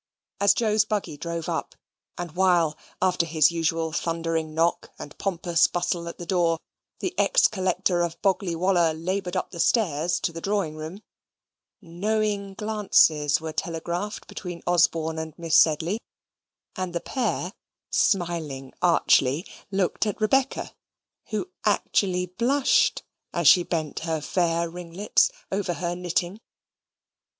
As Joe's buggy drove up, and while, after his usual thundering knock and pompous bustle at the door, the ex Collector of Boggley Wollah laboured up stairs to the drawing room, knowing glances were telegraphed between Osborne and Miss Sedley, and the pair, smiling archly, looked at Rebecca, who actually blushed as she bent her fair ringlets over her knitting.